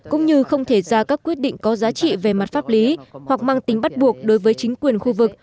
cũng như không thể ra các quyết định có giá trị về mặt pháp lý hoặc mang tính bắt buộc đối với chính quyền khu vực